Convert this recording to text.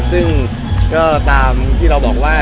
ซึ่งก็ตามที่เราบอกว่า